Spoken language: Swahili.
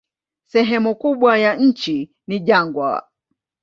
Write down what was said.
Sehemu kubwa ya nchi ni jangwa.